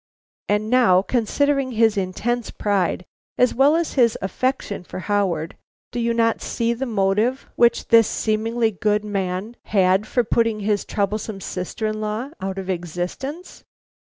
"And now, considering his intense pride, as well as his affection for Howard, do you not see the motive which this seemingly good man had for putting his troublesome sister in law out of existence?